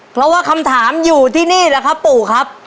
เพราะว่าคำถามอยู่ที่นี่แหละครับปู่ครับ